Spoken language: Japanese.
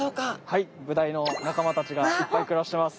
はいブダイの仲間たちがいっぱい暮らしてます。